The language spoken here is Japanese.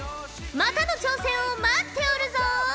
またの挑戦を待っておるぞ！